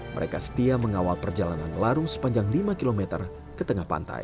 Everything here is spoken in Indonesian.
mereka setia mengawal perjalanan larung sepanjang lima km ke tengah pantai